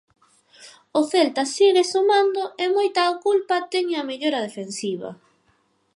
O Celta segue sumando, e moita culpa tena a mellora defensiva.